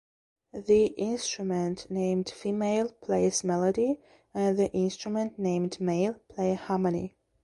The instrument named female plays melody and the instrument named male play harmony.